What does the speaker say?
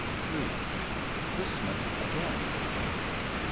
III. CHRISTMAS AGAIN.